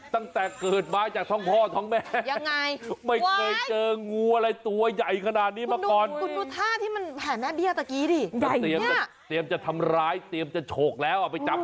ตั้งแต่เกิดมาจากท่องพ่อท่องแม่